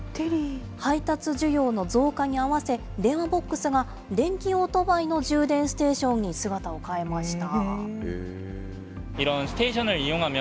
配達需要の増加に合わせ、電話ボックスが電気オートバイの充電ステーションに姿を変えました。